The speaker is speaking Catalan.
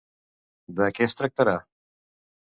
De què es tractarà?